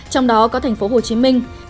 trong đó có thành phố hồ chí minh